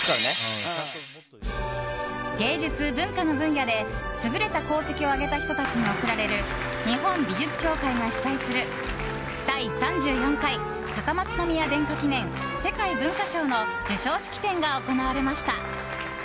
芸術・文化の分野で優れた功績を上げた人たちに贈られる日本美術協会が主催する第３４回高松宮殿下記念世界文化賞の授賞式典が行われました。